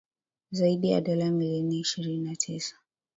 Zaidi ya dola milioni ishirini na tisa